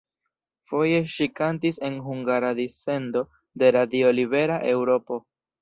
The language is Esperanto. Foje ŝi kantis en hungara dissendo de Radio Libera Eŭropo.